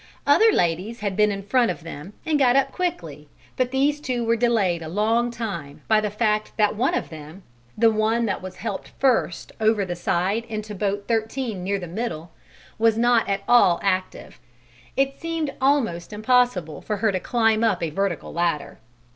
Other ladies had been in front of them and got up quickly, but these two were delayed a long time by the fact that one of them the one that was helped first over the side into boat 13 near the middle was not at all active: it seemed almost impossible for her to climb up a vertical ladder.